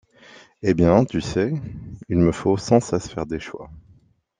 Eh bien, tu sais, il me faut sans cesse faire des choix.